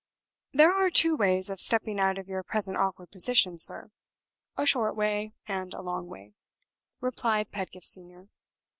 "There are two ways of stepping out of your present awkward position, sir a short way, and a long way," replied Pedgift Senior.